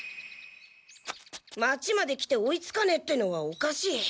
町まで来て追いつかねえってのはおかしい。